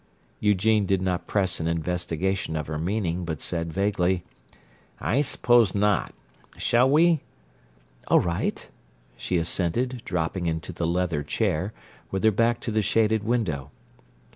Eugene did not press an investigation of her meaning, but said vaguely, "I suppose not. Shall we—" "All right," she assented, dropping into the leather chair, with her back to the shaded window.